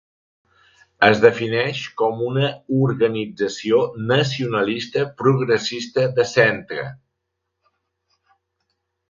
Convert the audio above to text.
Es defineix com una organització nacionalista progressista de centre.